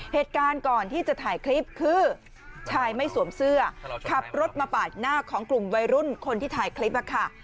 เหตุการณ์ก่อนที่จะถ่ายคลิปคือชายไม่สวมเสื้อขับรถมาปาดหน้าของกลุ่มวัยรุ่นคนที่ถ่ายคลิปอะค่ะ